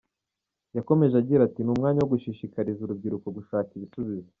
Yakomeje agira ati “Ni n’umwanya wo gushishikariza urubyiruko gushaka ibisubizo.